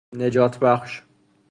نجات بخش